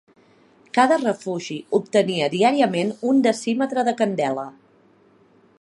Cada refugi obtenia diàriament un decímetre de candela